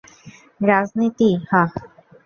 রাজনীতি, হাহ?